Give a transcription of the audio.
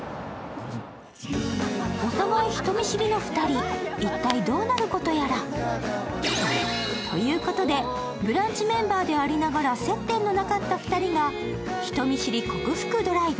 お互い人見知りの２人、一体どうなることやら。ということで、「ブランチ」メンバーでありながら、接点のなかった２人が人見知り克服ドライブ。